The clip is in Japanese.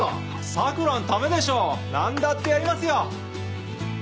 桜のためでしょ何だってやりますよ！